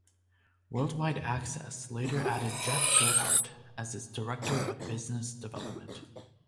WorldWide Access later added Jeff Gerhardt as its Director of Business Development.